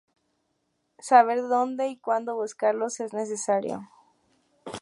Saber dónde y cuándo buscarlos es necesario.